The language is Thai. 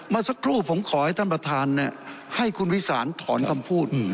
เมื่อสักครู่ผมขอให้ท่านประธานให้คุณวิสานถอนคำพูด